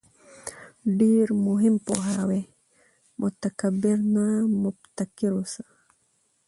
ډېر مهم پوهاوی: متکبِّر نه، مُبتَکِر اوسه